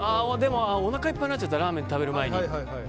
おなかいっぱいになっちゃったラーメン食べる前にと。